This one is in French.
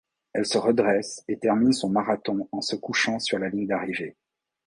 Elle se redresse et termine son marathon en se couchant sur la ligne d'arrivée.